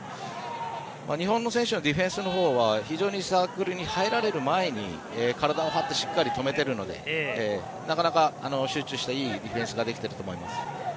日本の選手はディフェンスのほうは非常にサークルに入られる前に体を張ってしっかり止めてるのでなかなか集中したいいディフェンスができていると思います。